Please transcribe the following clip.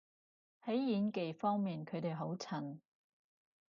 喺演技方面佢哋好襯